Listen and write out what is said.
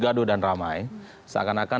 gaduh dan ramai seakan akan